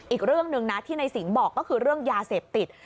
อีกเรื่องหนึ่งนะที่ในสิงห์บอกก็คือเรื่องยาเสพติด